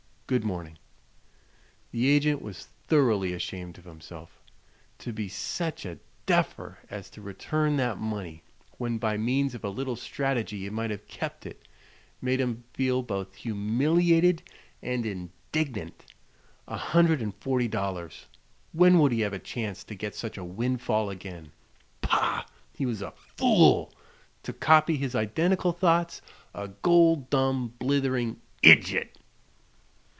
Good morning." The agent was thoroughly ashamed of himself. To be "sech a duffer" as to return that money, when by means of a little strategy he might have kept it, made him feel both humiliated and indignant. A hundred and forty dollars; When would he have a chance to get such a windfall again? Pah! he was a fool to copy his identical thoughts: "a gol dum blithering idjit!"